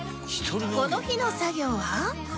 この日の作業は